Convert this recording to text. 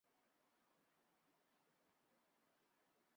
及后约克镇号参与了海军最后两次的舰队解难演习。